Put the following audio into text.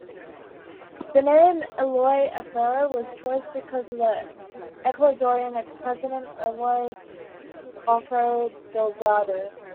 The name "Eloy Alfaro" was choice because of the Ecuadorian ex-president Eloy Alfaro Delgado.